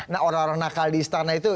nah orang orang nakal di istana itu